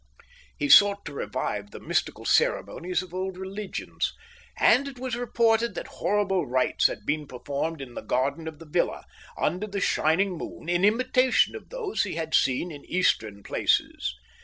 He sought to revive the mystical ceremonies of old religions, and it was reported that horrible rites had been performed in the garden of the villa, under the shining moon, in imitation of those he had seen in Eastern places.